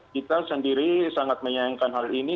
kita sendiri sangat menyayangkan hal ini